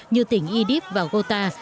như tỉnh idib và gota